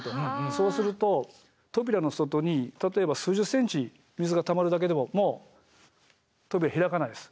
そうすると扉の外に例えば数十センチ水がたまるだけでももう扉開かないです。